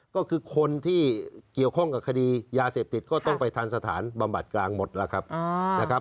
ก็คือคนที่เกี่ยวข้องกับคดียาเสพติดก็ต้องไปทันสถานบำบัดกลางหมดแล้วครับนะครับ